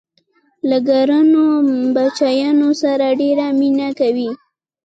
له ګرانو بچیانو سره ډېره مینه کوي.